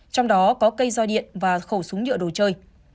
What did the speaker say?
trong đó có cây roi điện và khẩu súng nhựa đồ chơi